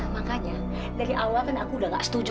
makanya dari awal kan aku udah gak setuju